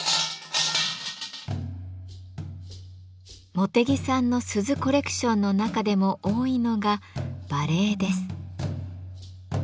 茂手木さんの鈴コレクションの中でも多いのが馬鈴です。